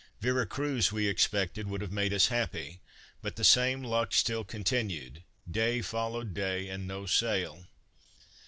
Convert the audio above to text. Vera Cruz we expected would have made us happy, but the same luck still continued; day followed day, and no sail.